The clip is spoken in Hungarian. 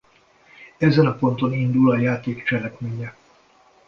Ezen a ponton indul a játék cselekménye.